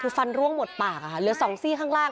คือฟันร่วงหมดปากค่ะเหลือ๒ซี่ข้างล่าง